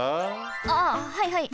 あはいはい！